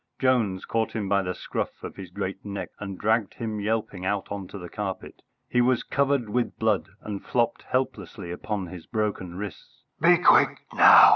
Jones caught him by the scruff of his great neck and dragged him yelping out on to the carpet. He was covered with blood, and flopped helplessly upon his broken wrists. "Be quick now!"